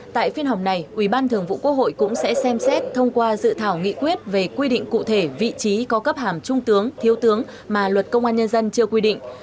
tại phiên họp này ủy ban thường vụ quốc hội cũng sẽ xem xét thông qua dự thảo nghị quyết về quy định cụ thể vị trí có cấp hàm trung tướng thiếu tướng mà luật công an nhân dân chưa quy định